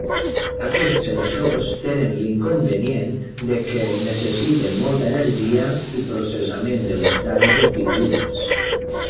Aquests sensors tenen l'inconvenient de què necessiten molta energia i processament de les dades obtingudes.